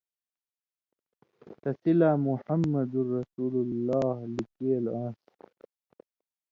تسی لا 'محمَّد رسول اللّٰہ' لِکېلوۡ آن٘س۔